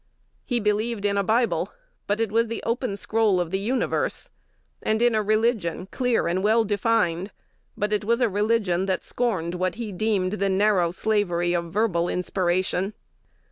He believed in a Bible, but it was the open scroll of the universe; and in a religion clear and well defined, but it was a religion that scorned what he deemed the narrow slavery of verbal inspiration.